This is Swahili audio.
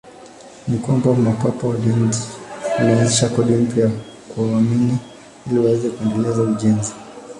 Ni kwamba Mapapa walianzisha kodi mpya kwa waumini ili waweze kuendeleza ujenzi.